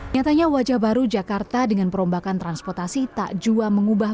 nyatanya wajah baru jakarta dengan perombakan transportasi tak jua mengubah